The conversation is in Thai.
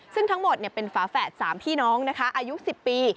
ซึ่งทั้งหมดเป็นฝาแฝด๓พี่น้องนะคะอายุ๑๐ปี